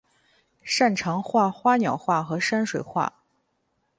擅长画花鸟画和山水画。